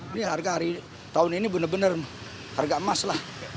ini harga hari tahun ini benar benar harga emas lah